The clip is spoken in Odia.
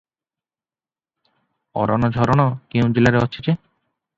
ଅରନଝରଣ କେଉଁ ଜିଲ୍ଲାରେ ଅଛି ଯେ?